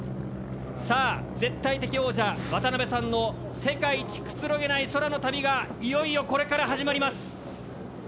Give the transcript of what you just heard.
さあ絶対的王者・渡さんの世界一くつろげない空の旅がいよいよこれから始まります。